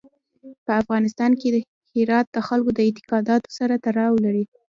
په افغانستان کې هرات د خلکو د اعتقاداتو سره تړاو لري.